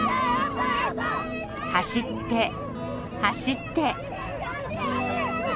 走って走って。